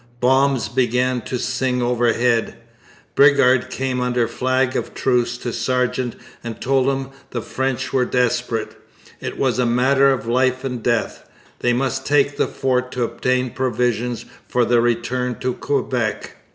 Bombs began to sing overhead. Bridgar came under flag of truce to Sargeant and told him the French were desperate. It was a matter of life and death. They must take the fort to obtain provisions for the return to Quebec.